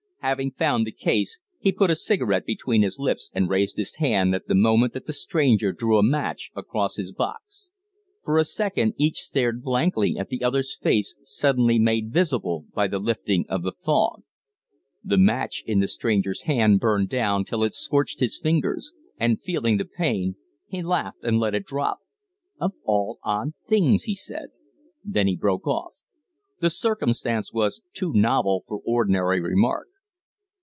Having found the case, he put a cigarette between his lips and raised his hand at the moment that the stranger drew a match across his box. For a second each stared blankly at the other's face, suddenly made visible by the lifting of the fog. The match in the stranger's hand burned down till it scorched his fingers, and, feeling the pain, he laughed and let it drop. "Of all odd things!" he said. Then he broke off. The circumstance was too novel for ordinary remark.